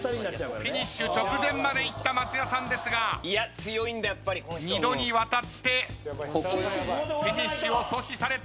フィニッシュ直前までいった松也さんですが二度にわたってフィニッシュを阻止された。